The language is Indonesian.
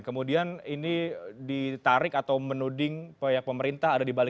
kemudian ini ditarik atau menuding banyak pemerintah ada di balik ini